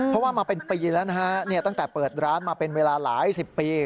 เพราะว่ามาเป็นปีแล้วนะฮะตั้งแต่เปิดร้านมาเป็นเวลาหลายสิบปี